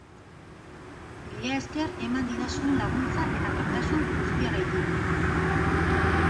Mila esker eman didazuen laguntza eta maitazun guztiagaitik.